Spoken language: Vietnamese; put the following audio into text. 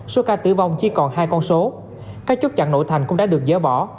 số ca tử vong chỉ còn hai con số các chốt chặn nội thành cũng đã được dỡ bỏ